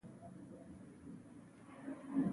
زړه یې راسو کا خوشي دښمنان.